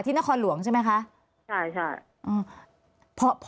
ที่นครหลวงใช่ไหมคะ